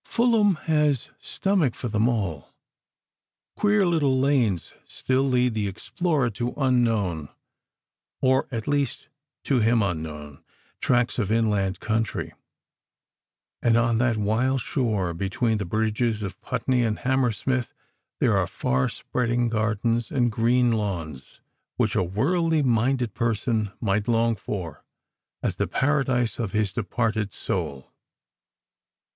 Fulham has stomach for them all. Queer little lanes still lead the explorer to unknown (or at least to him unknown) tracts of inland country; and on that wild shore between the bridges of Putney and Hammersmith there are far spreading gardens and green lawns which a worldly minded person might long for as the paradise of his departed soul.